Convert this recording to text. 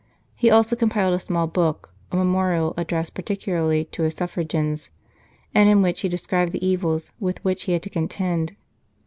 He also compiled a small book, a memorial* 154 " The Greater of These " addressed particularly to his suffragans, and in which he described the evils with which he had to contend.